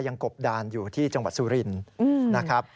กบดานอยู่ที่จังหวัดสุรินทร์นะครับ